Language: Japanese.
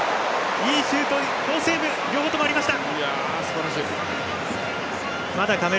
いいシュート、好セーブ両方ともありました。